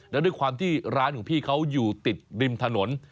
แล้วด้วยความที่ร้านของพี่เขาอยู่ติดริมถนน